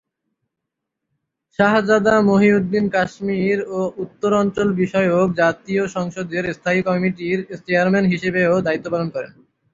শাহজাদা মহিউদ্দিন কাশ্মীর ও উত্তর অঞ্চল বিষয়ক জাতীয় সংসদের স্থায়ী কমিটির চেয়ারম্যান হিসেবেও দায়িত্ব পালন করেন।